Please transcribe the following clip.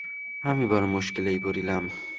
আমি বড়ো মুশকিলেই পড়িলাম।